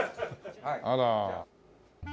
あら。